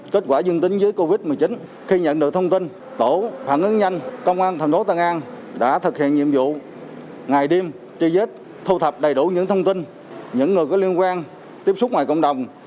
kết quả dương tính với covid một mươi chín khi nhận được thông tin tổ phản ứng nhanh công an thành phố tân an đã thực hiện nhiệm vụ ngày đêm truy vết thu thập đầy đủ những thông tin những người có liên quan tiếp xúc ngoài cộng đồng